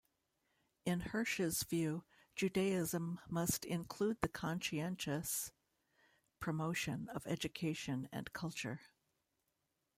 In Hirsch's view, Judaism must "include the conscientious promotion of education and culture".